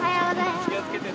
気をつけてね。